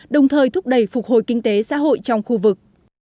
đồng thời thúc đẩy phục hồi kinh tế xã hội trong khu vực